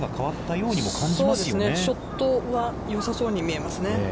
そうですね、ショットは、よさそうに見えますね。